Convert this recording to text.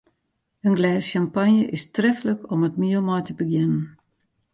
In glês sjampanje is treflik om it miel mei te begjinnen.